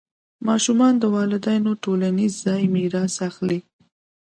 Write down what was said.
ماشومان د والدینو ټولنیز ځای میراث اخلي.